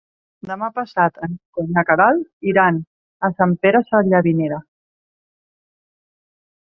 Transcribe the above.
Demà passat en Nico i na Queralt iran a Sant Pere Sallavinera.